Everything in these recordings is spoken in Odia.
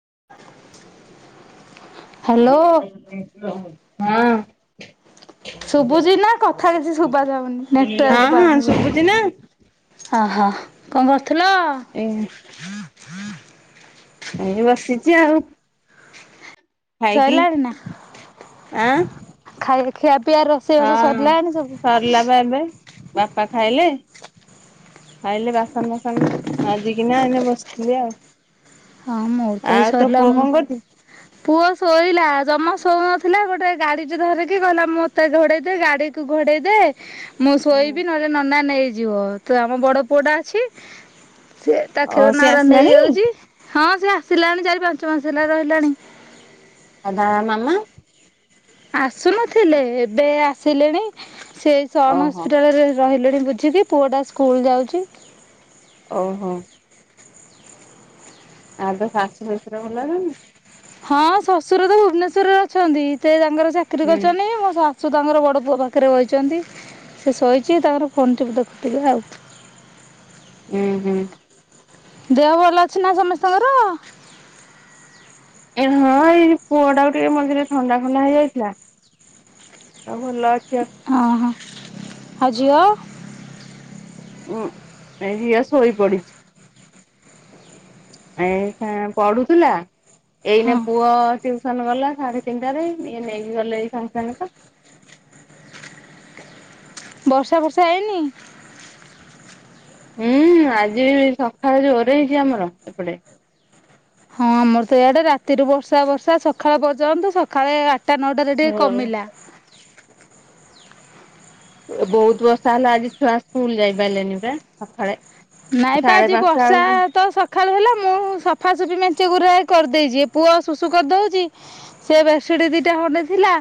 [inaudible] ହ୍ୟାଲୋ [unintelligible] ହଁ। ଶୁଭୁଛି ନା କଥା କିଛି ଶୁଭା ଯାଉନି ହଁ ନେଟୱାର୍କ ହଁ ପାଉନି ଶୁଭୁଛି ନା ବୋଧେ। ଅହ କଣ କରୁଥିଲ? ଏ ଏଇ ବସିଚି ଆଉ। ଖାଇକି ସରଲାଣି ନା। ଆଁ ଖାଇ ଖିଆ ପିଆ ହଁ ରୋଷେଇବାସ ସରିଲାଣି ସବୁ? ସରିଲା ବା ଏବେ ବାପା ଖାଇଲେ। ଆଇଲେ ବାସନ ଫାସନ ମାଜିିକନା ଏଇନା ବସିଥିଲି ଆଉ। ହଁ ମୋର ତ ଏଇ ଆଉ ତୋ ସରିଲା ପୁଅ ମୁଁ କଣ କରୁଛି? ପୁଅ ଶୋଇଲାା ଜମା ଶଉନ ନଥିଲା ଗୋଟେ ଗାଡି ଟେ ଧରିକି ଗଲା ମୁଁ ମତେ ଘୋଡେଇଦ ଗାଡି କୁ ଘୋଡେଇ ଦେ ମୁଁ ଶୋଇବି ନହେଲେ ନନା ନେଇଯିବ। ତ ଆମ ବଡ ପୁଅ ଟା ଅଛି। ସେ ତା ଓ ସିଏ ଖେଳନାଗୁରା ଆସିଲାଣି ନେଇଯାଉଚି। ଆଉ ହଁ ସେ ଆସିଲାଣି ଚାରି ପାଞ୍ଚ ମାସ ହେଲା ରହିଲାଣି। ଆଉ ତା ମାମା? ଆସୁନଥିଲେ ଏବେ ଆସିଲେଣି ସେ ସନ ଓହୋ ହସ୍ପିଟାଲରେ ରହିଲେଣି ବୁଝିକି ପୁଅଟା ସ୍କୁଲ ଯାଉଛି? ଓହୋ। ଆଉ ତୁ ଶାଶୁ ଶଶୁର ଭଲ ଅଛନ୍ତି? ହଁ ଶ୍ୱଶୁର ତ ଭୁବନେଶ୍୍ୱରରେ ଅଛନ୍ତି ସେ ତାଙ୍କର ଚାକିରି ହୁଁ କରିଛନ୍ତି ମୋ ଶାଶ ଶଶୁ ତାଙ୍କର ବଡ଼ ପୁଅ ପାଖରେ ରହିଛନ୍ତି ବହିଛନ୍ତି। ସେ ଶହିଛି ତାଙ୍କର ଫୋନ୍ ଟି ଦେଖୁଥିବେ ଆଉ। ହୁଁ ହୁଁ। ଦେହ ଭଲ ଅଛି ନା ସମସ୍ତଙ୍କର? ଏ ହଁ ଏଇ ପୁଅ ଟାକୁ ଟିକେ ମଝିରେ ଥଣ୍ଡା ଖଣ୍ଡା ହେଇଯାଇଥିଲା। ଭଲ ଅଛି ଆଉ। ଆଜିଅ। ହଁଆ ସୋଇହି ପଡିଛି। ଏ ପଢୁଥିଲା ହଁ ଏଇନେ ପୁଅ ଟସନ। ଗଲା ସାଢେ ତିନିଟାରେ ଇଏ ନେଇକି ଗଲେ ଏଇ ସାଙ୍ଗେ ସାଙ୍ଗେ ତ। ବର୍ଷା ବର୍ଷା ହେଇନି। ହୁଁ ଆଜି ସକାଳେ ଜୋର ହେଇଛି ଆମର ଏପଟେ। ହଁ ଆମର ତ ଇଆଡେ ରାତିରୁ ବର୍ଷା ବର୍ଷା ସକାଳେ ବଜାନ୍ତୁ ସକାଳେ। ତା ଅର୍ଡ଼ର ଟିକେ କମିଲା। ବହୁତ ବର୍ଷା ହେଲା ଆଜି ଛୁଆ ସ୍କୁଲ ଯାଇପାରିଲେନି ପୁରା ସକାଳେ। ନାଇଁ ବା ସାଢେ ଆଜି ପାଞ୍ଚଟା ବର୍ଷା ବେଳକୁ ତ। ସଖାଳୁ ହେଲା ମୁଁ ସଫାସଫି ମେଞ୍ଚି ଗୁୁର କରିଦେଇଛି ପୁଅ ଶୁଶୁ କରିଦେଉଛି ସେ। ସେ ଦିଟା ହଣ୍ଡେ ଥିଲା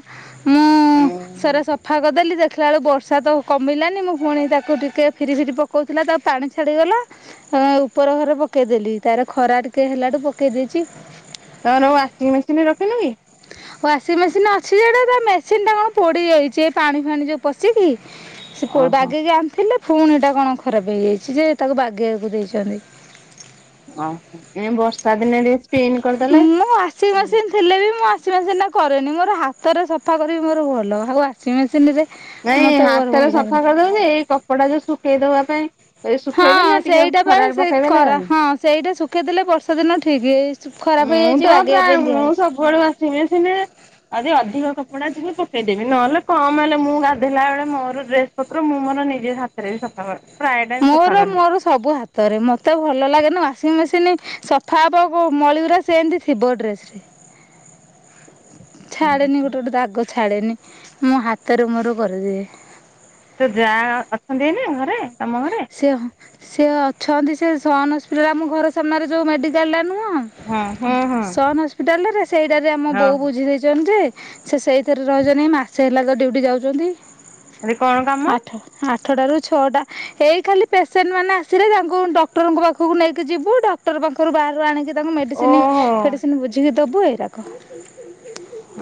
ମୁଁ ଉଁ ସରେ ସଫା କରିଦେଲି। ଦେଖିଲା ବେୁ ବର୍ଷା ତ କମିଲାନି ମୁଁ ପୁଣି ତାକୁ ଟିକେ ଫିରି ଫିରି ପକଉଥିଲା ତା ପାଣି। ଛାଡିଗଲା ଉପର ଘରେ ପକେଇଦେଲି ତାର ଖରା ଟିକେ ହେଲାଠୁ ପକେଇ ଦେଇେଇଛି। ତୋର ୱାସିଂ ମେସିନ ରେ ରଖିଲୁ କି। ୱାସିଂ ମେସିନ ଅଛି ଯେଟା ତା ମେସିନ ଟା କଣ ପୋଡି ଯାଇଛି ପାଣି ଫାଣି ଯୋଉ ପଶିକି। ସେ ଓହୋ ବାଗିକି ଆଣିଥିଲେ ପୁଣି ଟା କଣ ଖରାପ ହେଇଯାଇଛି। ଯେ ତାକୁ ବାଗେଇକୁ ଦେଇଛନ୍ତି। ଓହୋ ଏ ବର୍ଷା ଦିନେରେ। ମୁଁ ଆସିସିିନ ଥିଲେ ବି ମୁଁ ୱାସିଂ ମେସିନ୍ ଟ କରେନି ମୋର ହାତରେ ସଫା କରି ମୋର ଭଲ ଆଉ ୱାସିଂ ମେସିନ ରେ। ନାଇଁ ମତେ ମୋର ଭଲ ହାତରେ ସଫା ଲାଗେନି। କରିଦଉନ ଏଇ କପଡଟା ଯୋଉ ଶୁଖେଇ ଦବା ପାଇଁ। ଏ ହଁ ଶୁଖେଇଦେଲେ ଟିକେ ସେଇଟା ପାଇଁ ଖରାରେ ସେ ପକେଇଦେଲେ କରା ଆଉ ହଁ ସେଇଟା ଶୁଖେଇଦେଲେ ବର୍ଷା ଦିନ ଠିକ୍ ହେଇଛି। ମୁଁ ତ ପ୍ରାୟ ମୁଁ ସବୁବେଳୁ ଆସିବି ସିମେ ଆଦି ଅଧିକ କପଡା ଥିବ। ପକେଇଦେବି ନହେଲେ କମ ହେଲେ ମୁଁ ଗାଧୋଇେଇଲା ବେଳେ ମୋର ଡ୍ରେସ ପତ୍ର ମୁଁ ମୋର ନିଜେ ହାତରେ ବି ସଫା କରି। ମୋର ମୋର ସବୁ ହାତରେ ମତେ ଭଲ ଲାଗେନ ୱାସିଂ ମେସିନ। ସଫାବ ମଳିବୁରା ସେ ଏମତି ଥିବ ଡ୍ରେସ ରେ। ଛାଡେନି ଗୋଟେ ଗୋଟେ ଦାଗ ଛାଡେନି ମୋ ହାତରେ ମୋର କରିଦିଏ। ତ ଯାହା ଅଛନ୍ତି ଏ ନା ଘରେ ତମ ଘରେ। ସେ ସେ ଅଛନ୍ତି ସେ ସନ ହସ୍ପିଟାଲ ଆମ ଘର ସାମ୍ନାରେ ଯୋଉ ମେଡିକାଲଟା ନୁହଁ। ହଁ ହଁ ହଁ। ସନ୍ ହସ୍ପିଟାଲରେ ସେଇଟ ଆମ ବୋଉ ହଁ ବୁଝି ଦେଇେଇଛଛନ୍ତି ଯେ। ସେ ସେଇଥିରେ ରହିଛନ୍ତିନି ମାସେ ହେଲା ତ ଡୁଟି ଯାଉଛନ୍ତି। ଆରେ କଣ କାମ। ଆଠଟ ର ଛଅଟା। ଏଇ ଖାଲି ପେସେଣ୍ଟ ମାନେ ଆସିଲେ ତାଙ୍କୁ ଡକ୍ଟରଙ୍କ ପାଖକୁ ନେଇକି ଯିବୁ ଡକ୍ଟର ପାଖରୁ ବାହାରୁ ଆଣିକି। ତାଙ୍କୁ ମେଡ଼ିସିନ ଓହୋ। ମେଡ଼ିସିନ ବୁଝିକି ଦେବୁ ଏଇରାକ।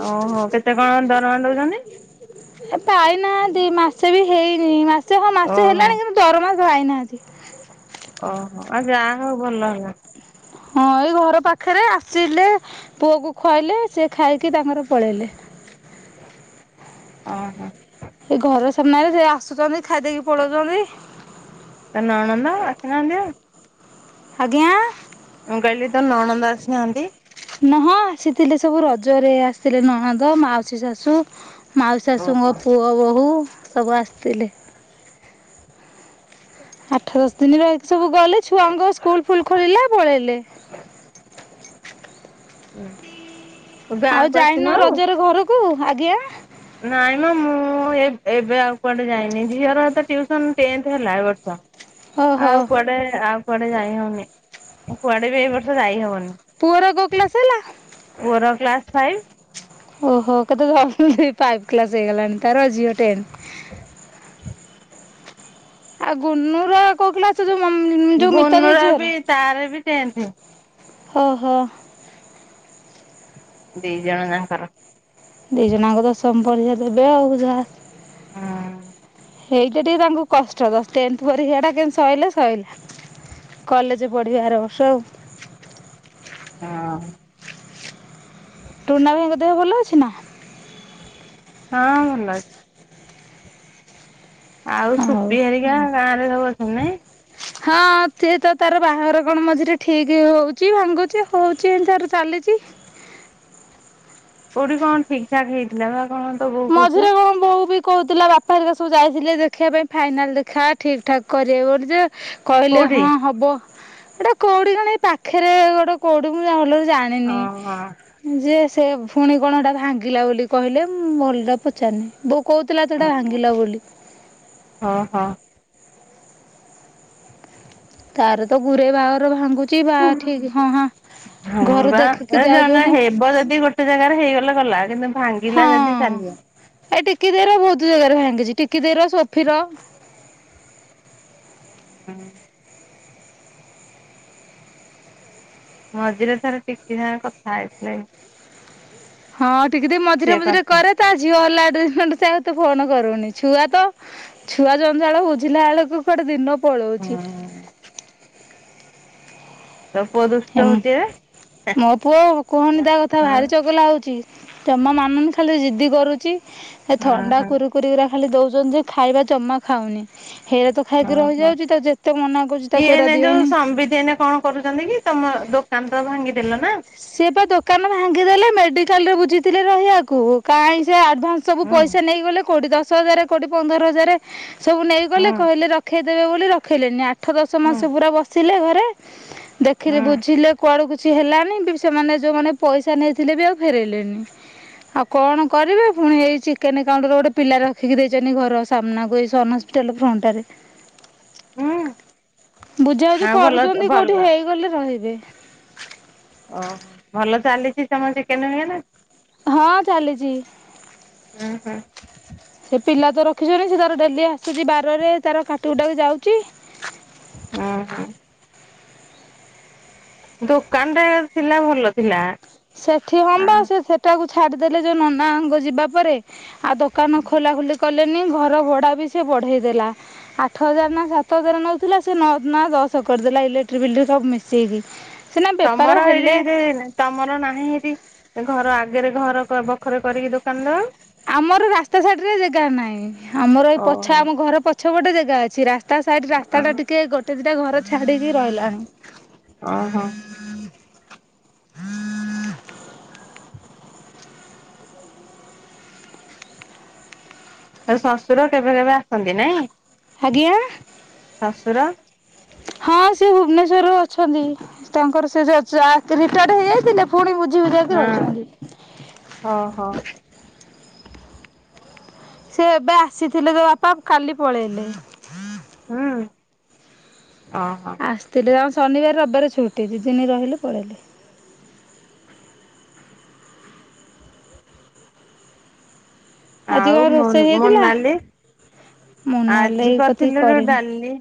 ଓହୋ କେତେ କଣ ଦରମାାନ ଦଉଛନ୍ତି। ଏ ପାଇନା ମାସେ ବି ହେଇନି ମାସେ ହଁ ମାସେ ଓହୋ। ହେଲାଣି କିନ୍ତୁ। ଗରମା ଭାଇନାହାନ୍ତି। ଓହୋ ଆଉ ଯାହା ହଉ ଭଲ ହେଲା। ହଁ ଏଇ ଘର ପାଖରେ ଆସିଲେ ପୁଅକୁ ଖୁଆଇଲେ ସେ ଖାଇକି ତାଙ୍କର ପଳେଇଲେ। ଓ ହୋ। ସେମାନେ ସେ ଆସୁଛନ୍ତି ଖାଇ ଦେଇକି ପଳଉଛନ୍ତି। ତୋ ନଣନ୍ଦ ଆସନାହାନ୍ତି ଆଉ? ଆଜ୍ଞା। ମୁଁ କହିଲି ତୋ ନଣନ୍ଦ ଆସିନାହାନ୍ତି। ନା ହଁ ଆସିଥିଲେ ସବୁ ରଜରେ ଆସିଥିଲେ ନଣଦ ମାଉସୀ ଶାଶୁ। ମାଉ ଓହୋ ଶାଶୁଙ୍କ ପୁଅବୋହୁ ସବୁ ଆସିଥିଲେ। ଆଠ ଦଶ ଦିନ ରହିକି ସବୁ ଗଲେ ଛୁଆଙ୍କ ସ୍କୁଲ ଫୁଲ ଖୋଲିଲେ ପଳେଇଲେ। ହୁଁ। ଆଉ ଯାଇନ ରଜରେ ଘରକୁ ଆଜ୍ଞା। ନାଇଁ ମ ମୁଁ ଏ ଏବେ ଆଉ କୁଆଡେ ଯାଇନି ଝିଅର ତ ଟିଉସନ ଟେନ୍ଥ ହେଲା ଏ ବର୍ଷ ଓହୋ ଆଉ କୁଆଡେ ଆଉ କୁଆଡେ ଯାଇ ହଉନି ଆ କୁଆଡେ ବି ଏଇ ବର୍ଷ ଯାଇ ହଉନି। ପୁଅର କୋଉ କ୍ଲାସ ହେଲା? ପୁଅର କ୍ଲାସ ଫାଇଭ। ଓହୋ କେତେ ଜଲଦି ଜଲଦି ଫାଇପ କ୍ଲାସ ହେଇଗଲାଣି ତାରଓ ଟେନ୍। ଆଉ ଗୁନୁର କୋଉ କ୍ଲାସ ଯୋଉ ଯୋଉ ମିତା ଦେଇ ଗୁନୁର ବି ତାର ବି ଟେନଥ। ଓ ହୋ। ଦି ଜଣ ଜାଙ୍କର ଦି ଜଣଙ୍କ ତ ଦଶମ ପରୀକ୍ଷା ଦେବେ ହଉ ଯାହା ହଁ। ହେଇଟା ଟିକେ ତାଙ୍କୁ କଷ୍ଟ ଟେନ୍ଥ ପରୀକ୍ଷା ଟା କେମିତି ସଇଲେ ସଇଲା। କଲେଜ ପଢିବେ ଆର ବର୍ଷ ଆଉ। ହଁ। ଟୁନା ଭାଇଙ୍କ ଦେହ ଭଲ ଅଛି ନା? ହଁ ଭଲ ଅଛି। ଆଉ ସୁପି ହରିକା ଗାଁ ରେ ସବୁ ଅଛନ୍ତି ନାଇ। ହଁ ସେ ତ ତାର ବାହାଘର କଣ ମଝିରେ ଠିକ ହଉଛି ଭାଙ୍ଗୁଛି ହଉଛି ତାର ଚାଲି ଛି। କୋଉଠି କଣ ଠିକ ଠାକ ହେଇଥିଲା ବା କଣ ତୋ ବୋଉ କହୁଥିଲା ମଝିରେ କଣ ବୋଉ ବି କହୁଥିଲା ବାପା ହେରିକା ସବୁ ଯାଇଥିଲେ ଦେଖିବା ପାଇଁ ଫାଇନାଲ ଦେଖା ଠିକ ଠାକ୍ କରିବେ ବୋଲି ଜେ କହିଲେ କୋଉଠି? ହଁ ହବ ଏଟା କୋଉଠି କଣ ଏ ପାଖରେ ଗୋଟେ କୋଉଠି ମୁଁ [unintelligible] ଭଲରେ ଜାଣିନି ଓହୋ ଯେ ସେ ଫୁଣି କଣ ହେଟା ଭାଙ୍ଗିଲା ବୋଲି କହିଲେ ମୁଁ ଭଲରେ ପଚାରିନି ବୋଉ କହୁଥିଲା ତ ହେଟା ଭାଙ୍ଗିଲା ବୋଲି ଓହୋ। ତାର ତ ଗୁରେ ବାହାଘର ଭାଙ୍ଗୁଛି ବା ଠିକ ହଁ ହଁ ହଁ ଘରୁ ବା ଦେଖିକି ଏ ଜଣ ଜଣ ଯାଉଛନ୍ତି ହେବ ଯଦି ଗୋଟେ ଜାଗାରେ ହେଇଗଲେ ଗଲା କିନ୍ତୁ ଭାଙ୍ଗିଲା ହଁ ଯଦି ଚାଲିଲା। ଏ ଟିକି ଦେଇର ବହୁତ ଜାଗାରେ ଭାଙ୍ଗିଛି ଟିକି ଦେଇର ସୋଫିର। ହୁଁ। ମଝିରେ ଥରେ ଟିକି ସାଙ୍ଗେ କଥା ହେଇଥିଲି। ହଁ ଟିକି ଦେଇ ମଝିରେ ମଝିରେ କଥା କରେ ତା ଝିଅ ହେଲା ଗୋଟେ ଦିନ ସେ ଏତେ ଆଉ ଫୋନ କରୁନି ଛୁଆ ତ ଛୁଆ ଜଞ୍ଜାଳ ବୁଝିଲା ବେଳକୁ କୁଆଡେ ଦିନ ପଳଉଛି। ହଁ। ତୋ ପୁଅ ଦୁଷ୍ଟ ହଉଛି ଏବେ ମୋ ପୁଅ କୁହନି ତା କଥା ହଁ ଭାରି ଚଗଲା ହଉଛି ଜମା ମାନୁନି ଖାଲି ଜିଦି କରୁଛି ସେ ଥଣ୍ଡା ଓହୋ କୁରୁକୁରିରା ଖାଲି ଦଉଛନ୍ତିଯେ ଖାଇବା ଜମା ଖାଉନି ହେଇରା ତ ଖାଇକି ଓହୋ। ରହିଯାଉଛି ତା ଯେତେ ମନା କରୁଛି ଇଏ ତାକୁ ଏଇରା ଏଇନେ ଯୋଉ ଦିଅନି। ସମ୍ବିତ ଏଇନେ କଣ କରୁଛନ୍ତି କି ତମ ଦୋକାନ ତ ଭାଙ୍ଗିଦେଲ ନା? ସିଏ ପା ଦୋକାନ ଭାଙ୍ଗିଦେଲେ ମେ ମେଡିକାଲ ରେ ବୁଝିଥିଲେ ରହିବାକୁ କାଇଁ ସେ ଆଡଭାନ୍ସ ସବୁ ହୁଁ ପଇସା ନେଇଗଲେ କୋଉଠି ଦଶ ହଜାରେ କୋଉଠି ପନ୍ଦର ହଜାର ସବୁ ନେଇଗଲେ ହୁଁ କହିଲେ ରଖେଇଦେବେ ବୋଲି ରଖେଇଲେନି ଆଠ ଆଠ ଦଶ ହୁଁ ମାସ ପୁରା ବସିଲେ ଘରେ ଦେଖିଲି ହୁଁ ବୁଝିଲେ କୁଆଡକୁ କିଛି ହେଲାଣି ସେମାନେ ଯୋଉମାନେ ପଇସା ନେଇଥିଲେ ବି ଆଉ ଫେରାଇଲେନି ଆଉ କଣ କରିବେ ପୁଣି ଏଇ ଚିକେନାଉଣ୍ଟର ଗୋଟେ ପିଲା ରଖିକି ଦେଇଛନ୍ତି ଘର ସାମ୍ନାକୁ ଏଇସନ ଟେଲିଫଟାରେ [unintelligible] ବୁଝାବୁଝି ହଁ ଭଲ କରୁଛନ୍ତି କୋଉଠି ଭଲ। ହେଇଗଲେ ରହିବେ। ଓହୋ ଭଲ ଚାଲିଛି ତମ ଚିକେନ ଫିକେନ୍ ହଁ ଚାଲିଛି। ଉଁ ହୁଁ ସେ ପିଲା ତ ରଖିଛନ୍ତି ସେ ତାର ଡେଲି ଆସୁଛି ବାରରେ ତାର କାଟିକୁଟାକି ଯାଉଛି। ଉଁ ହୁଁ ଦୋକାନ ଟା ଥିଲା ଭଲ ଥିଲା। ସେଠି ଆ ହମ୍ବା ସେ ସେଟାକୁ ଛାଡିଦେଲେ ଯୋଉ ନନା ଆଙ୍ଗ ଯିବା ପରେ। ଆଉ ଦୋକାନ ଖୋଲା ଖୋଲି କଲେ ନି ଘର ଭଡା ବି ସେ ବଢେଇ ଦେଲା। ଆଠ ହଜାର ନା ସାତ ହଜାର ନଉଥିଲା ସେ ନ ନା ଦଶ କରିଦେଲା ଇଲେଟ୍ରି ବିଲ ସବୁ ମିଶିଇକି। ତମର ଏଇଠି ତମର ନାହିଁ ଘର ଆଗରେ ଘର ବଖରେ କରିକି ଦୋକାନ ଦବ। ଆମର ରାସ୍ତା ଶାଇଡରେ ଜାଗା ନାହିଁ। ଆମର ଏଇ ପଛ ଆମ ଘର ପଛପଟେ ଜାଗା ଅଛି। ରା ତା ସାଇଡ ରାସ୍ତା ଟା ଓହୋ। ଟିକେ ଗୋଟେ ଦିଇଟା ଘର ଛାଡିକି ରହିଲାଣି। ଓ ହୋ। ହୁଁ ଆଉ ଶଶୁର କେବେ କେବେ ଆସନ୍ତି ନାଇଁ? ଆଜ୍ଞା ଶଶୁର ହଁ ସେ ଭୁବନେଶ୍ୱରରୁୁ ଅଛନ୍ତି। ତାଙ୍କର ସେ ଚା ରିଟାର୍ ହେଇଯାଇଥିଲେ ପୁଣି ବୁ ବୁଜି ବୁଯାକି ହଁ ଓହୋ ରହିଛନ୍ତି। ସେ ଏବେ ଆସିଥିଲେ ତ ବାପା କାଲି ପଳେଇଲେ। ହୁଁ। ଓହୋ ଆସିଥିଲି ଅ ଶନିବାର ରବିବାର ଛୁଟି ଦୁଇ ଦିନ ରହିଲି ପଳେଇଲେ। ଆଜି ଆଉ କଣ ରୋଷେଇ ମୁନ ହେଇଥିଲା ମୋନାଲି? ମୁଁ ନହେଲେ ଆଜି ଏଇ କତିକି କରିଥିଲୁ ରୁ କରିନି ଡାଲି।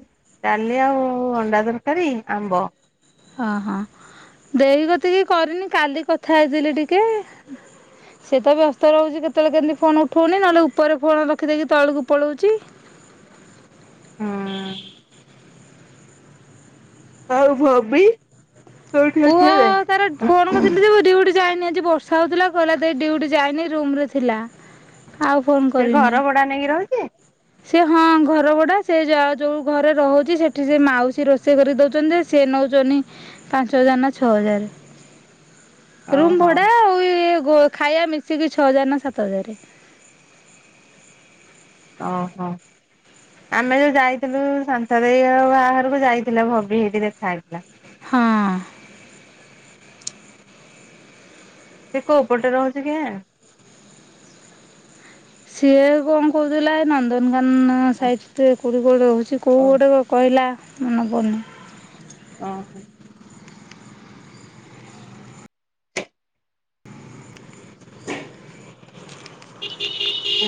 ଡାଲି ଆଉ ଅଣ୍ଡା ତରକାରୀ ଆମ୍ବ। ହଁ ହଁ ଦେଇ କତିକି କରିନି କାଲି କଥା ହେଇଥିଲି ଟିକେ। ସେଟା ବି ବ୍ୟସ୍ତ ରହୁଛି କେତେବେଳେ କେମିତି ଫୋନ ଉଠଉନି ନହେଲେ ଉପରେ ଫୋନ ରଖିଦକି ତଳକୁ ପଳଉଛି। ହୁଁ। ଆଉ ଭବି? କୋଉଠି ପୁଅ ଅଛି ଏବେ ତାର ଫୋନ୍ କଥିଲି ଯେ ଡି ଯାଇନି ଆଜି ବର୍ଷା ହଉଥିଲା କଲା ଦେଇ ଡିଉଟି ଯାଇନି ରୁମ ରେ ଥିଲା। ଆଉ ଫୋନ୍ ସେ କରିନି। ଘର ଭଡା ନେଇକି ରହୁଛି ସେ ହଁ ଘର ବଡା ସେ ଯ ଯୋଉ ଘରେ ରହୁଛି ସେଠି ସେ ମାଉସୀ ରୋଷେଇ କରି ଦଉଛନ୍ତି ଯେ ସେ ନଉଛନ୍ତି ପାଞ୍ଚ ହଜାର ନା ଛଅ ହଜାର। ହ ରୁମ ଭଡା ଆଁ ଉ ଖାଇବା ମିିଶିକି ଛ ହଜାର ନା ସାତ ହଜାର। ଓ ହୋ। ଆମେ ଯୋଉ ଯାଇଥିଲୁ ଶନ୍ତା ଦେଇ ବାହାଘରକୁ ଯାଇଥିଲା ଭବି ହେଇଠି ଦେଖା ହେଇଥିଲା। ହଁ। ସେ କୋଉ ପଟେ ରହୁଛି କେଜାଣି? ସିଏ କଣ କହୁଥିଲା ଏ ନନ୍ଦନ କାନ ଓ ସାଇଡରେ କୋଇଥି କୋଡ଼େ ରହୁଛି। କେଉଁଠି ଗୋଟେ କହିଲା ମନେ ପଡ଼ୁନି। ଓ ହୋ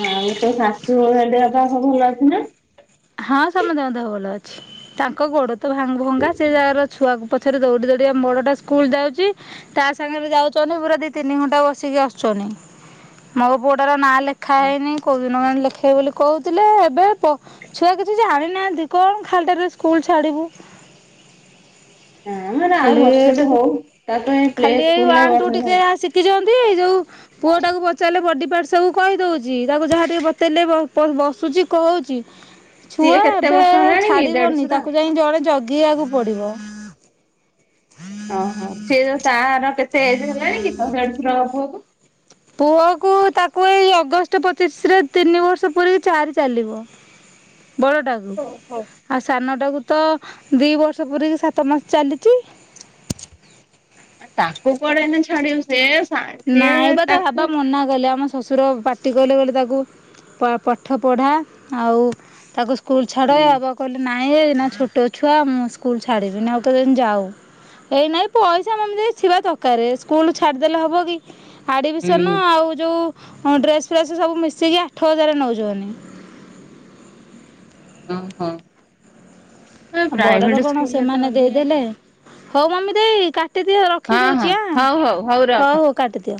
ଆଉ ତୋ ଶାଶୁ ହେଲେ ଦେହପା ଭଲ ଅଛି ନା? ହଁ ସମସ୍ତଙ୍କ ଦେହ ଭଲ ତାଙ୍କ ଗୋଡ ତ ଭାଙ୍ଗ ଭଙ୍ଗା ସେ ଯାର ଛୁଆ ପଛରେ ଦୌଡି ଦୌଡି ଆ ବଡଟା ସ୍କୁଲ ଯାଉଛି ତା ସାଙ୍ଗରେ ଯାଉଛନ୍ତି ପୁରା ଦି ତିନି ଘଣ୍ଟା ବସିକି ମୋ ପୁଅଟ ର ନାଁ ଲେଖା ହେଇନି। କୋଉ ଦିନକେ ସେ ବୋଲି କହୁଥିଲେ ଏବେ ହାନ୍ତି କଣ ଖାଲିଟରେ ସ୍କୁଲ ଛାଡ଼ିବୁ। ହଁ ମାନେ ଆଉ ଖାଲି ବର୍ଷଟେ ଟିକେ ହଉ ତାପରେ ପ୍ଲେ ଖାଲି ଏଇ ସ୍କୁଲରେ ଓନେ, ତ୍ଵି ବର୍ଷେ ଟିକେ ଶିଖିଛନ୍ତି। ଏଇ ଯୋଉ ପୁଅ ଟାକୁ ପଚାରିଲେ ବଡି ପାର୍ଟ ସବୁ କହିଦଉଛି। ତାକୁ ଯାହା ଟିକେ ବତେଇଲେ ବସୁଛି କହୁଛି। ଛୁଆ ସିଏ କେତେ ଏବେ ବର୍ଷ ହେଲାଣି କି ଛାଡିବନି ଦେଢଶୁର? ତାକୁ ଯାଇ ଜଣେ ଜଗେଇବାକୁ ପଡିବ। ଓହୋ ସେ ତାର କେତେ ଏଜ ହେଲଣି କି ତୋ ଦେଢଶୁର। [unintelligible] ପୁଅକୁ ତାକୁ ଏଇ ଅଗଷ୍ଟ ପଚିଶରେ ତିନି ବର୍ଷ ପୁରିକି ଚାରି ଚାଲିବ। ବଡଟାକୁ ଓହୋ। ଆଉ ସାନଟାକୁ। ତ ଦି ବର୍ଷ ପୁରିକି ସାତ ମାସ ଚାଲିଛି। ତାକୁ କୁଆଡେ ଏଇନା ଛାଡ଼ିବୁ ସେ। ସା ନାଇଁ ସିଏ ବା ତା ତାକୁ ବାବା ମନା କଲେ ଆମ ଶ୍ୱଶୁର ପାଟି କଲେ କହିଲେ ତାକୁ ପାଠ ପଢ଼ା। ଆଉ ତାକୁ ସ୍କୁଲ ଛାଡ଼ ହୁଁ ଆ ବାବା କହିଲେ ନାଇଁ ଏ ନା ଛୋଟ ଛୁଆ ମୁଁ ସ୍କୁଲ ଛାଡ଼ିବିନି ଆଉ କେତେଦିନ ଯାଉ। ଏଇ ନାଇଁ ପଇସା [unintelligible] ଦକାରେ। ସ୍କୁଲ ଛାଡିଦେଲେ ହବ ହୁଁ ଆଡମିସନ ଆଉ ଯୋଉ। ହଁ ଡ୍ରେସ ଫ୍ରେସ ସବୁ ମିଶିକି ଆଠ ହଜାର ନଉଛନି। [unintelligible] ପ୍ରାଇଭେଟ ବଡର କଣ ସ୍କୁଲରେ ତ ସେମାନେ ଅଧିକା ନା ଦେଇଦେଲେ ହଉ ମମି ଦେଇ। କାଟିଦିଅ ରଖିଦଉଛି ଆ ହଉ ହଉ କାଟିଦିଅ।